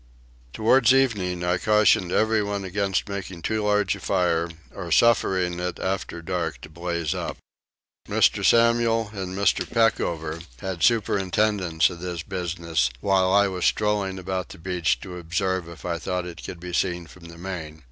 Towards evening I cautioned everyone against making too large a fire or suffering it after dark to blaze up. Mr. Samuel and Mr. Peckover had superintendence of this business, while I was strolling about the beach to observe if I thought it could be seen from the main.